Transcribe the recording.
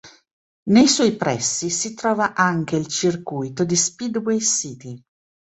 Nei suoi pressi si trova anche il circuito di Speedway City.